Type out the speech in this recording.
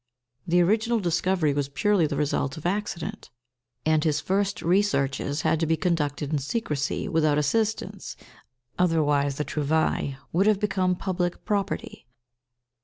The original discovery was purely the result of accident, and his first researches had to be conducted in secrecy, without assistance, otherwise the trouvaille would have become public property.